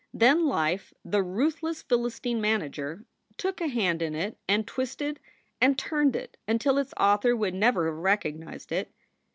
Then Life, the ruthless Philistine manager, took a hand in it and twisted and turned it until its author would never have recognized it.